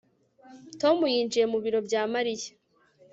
Tom yinjiye mu biro bya Mariya